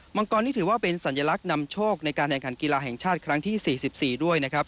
งกรนี่ถือว่าเป็นสัญลักษณ์นำโชคในการแข่งขันกีฬาแห่งชาติครั้งที่๔๔ด้วยนะครับ